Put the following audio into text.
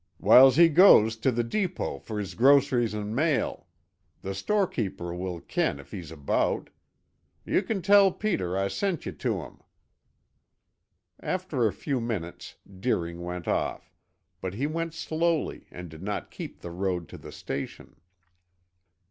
Whiles he goes to the depot for his groceries and mail. The storekeeper will ken if he's aboot. Ye can tell Peter I sent ye to him." After a few minutes Deering went off, but he went slowly and did not keep the road to the station.